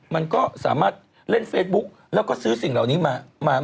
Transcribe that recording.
มันก็สามารถเล่นเฟซบุ๊กแล้วก็ซื้อสิ่งเหล่านี้มา